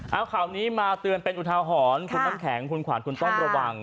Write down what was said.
เอาข่าวนี้มาเตือนเป็นอุทาหรณ์คุณน้ำแข็งคุณขวัญคุณต้องระวัง